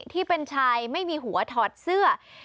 ที่เป็นชายไม่มีหัวถอดเสื้อ